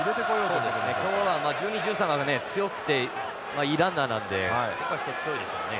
そうですね今日は１２１３が強くていいランナーなのでここは一つ脅威でしょうね。